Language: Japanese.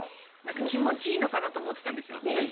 気持ちいいのかなと思ってたんですよ、最初。